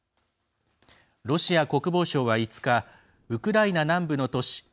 ロシア国防省は５日ウクライナ南部の都市